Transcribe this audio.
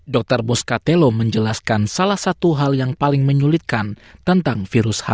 dr muscatelo menjelaskan salah satu hal yang paling menyulitkan tentang virus h lima